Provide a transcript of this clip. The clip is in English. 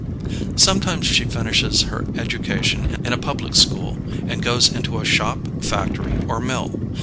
Sometimes she finishes her education in a public school and goes into a shop, factory, or mill.